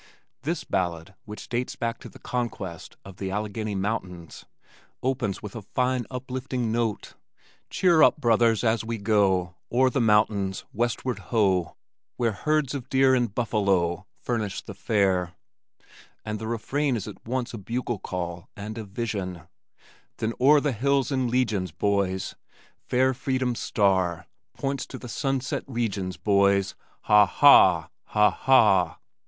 This ballad which dates back to the conquest of the Allegheny mountains opens with a fine uplifting note, Cheer up, brothers, as we go O'er the mountains, westward ho, Where herds of deer and buffalo Furnish the fare. and the refrain is at once a bugle call and a vision: Then o'er the hills in legions, boys, Fair freedom's star Points to the sunset regions, boys, Ha, ha, ha ha!